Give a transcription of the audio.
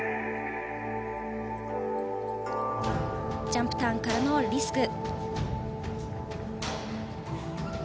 ジャンプターンからのリスク。